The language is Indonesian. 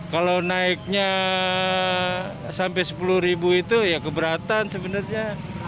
kalau naiknya sampai rp sepuluh itu ya keberatan sebenarnya